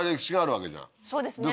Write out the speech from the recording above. そうですね。